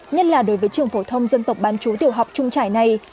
nhất là đối với trường phổ thông dân tộc bán chú tiểu học trung trải này